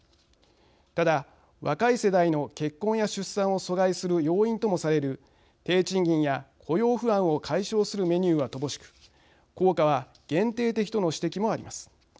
ただ若い世代の結婚や出産を阻害する要因ともされる低賃金や雇用不安を解消するメニューは乏しく効果は限定的との指摘もあります。